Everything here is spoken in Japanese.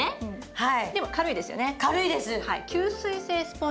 はい。